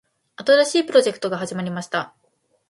新しいプロジェクトが始まりました。